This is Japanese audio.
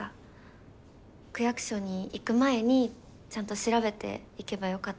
区役所に行く前にちゃんと調べて行けばよかったなと。